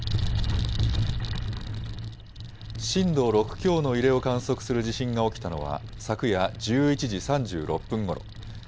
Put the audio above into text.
震度６強の揺れを観測する地震が起きたのは昨夜１１時３６分ごろ。